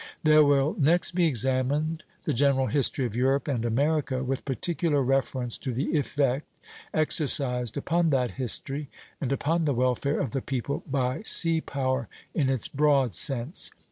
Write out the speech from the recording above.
There will next be examined the general history of Europe and America, with particular reference to the effect exercised upon that history, and upon the welfare of the people, by sea power in its broad sense.